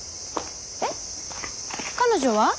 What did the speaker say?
えっ彼女は？